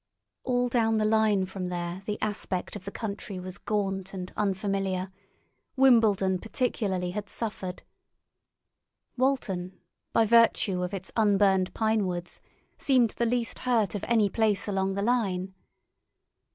All down the line from there the aspect of the country was gaunt and unfamiliar; Wimbledon particularly had suffered. Walton, by virtue of its unburned pine woods, seemed the least hurt of any place along the line.